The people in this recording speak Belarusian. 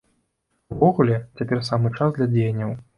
Увогуле, цяпер самы час для дзеянняў.